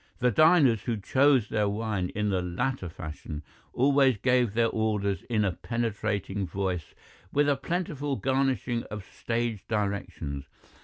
The diners who chose their wine in the latter fashion always gave their orders in a penetrating voice, with a plentiful garnishing of stage directions.